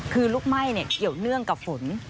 คือลุกไหม้เกี่ยวเนื่องกับฝน